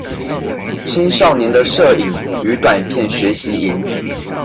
青少年的攝影與短片學習營